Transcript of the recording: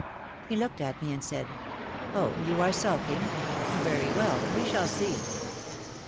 He looked at me and said : "Oh, you are sulking ? Very well, we shall see."